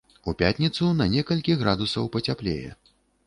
У пятніцу на некалькі градусаў пацяплее.